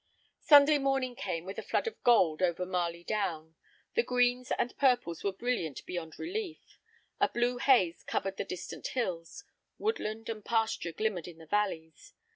Sunday morning came with a flood of gold over Marley Down. The greens and purples were brilliant beyond belief; a blue haze covered the distant hills; woodland and pasture glimmered in the valleys.